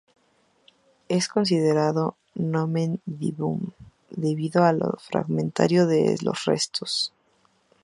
Es considerado nomen dubium debido a lo fragmentario de los restos.